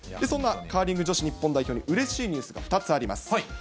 そんなカーリング女子日本代表のうれしいニュースが２つあります。